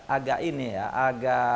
agak ini ya agak